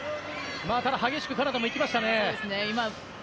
ただ、激しくカナダもいきましたね。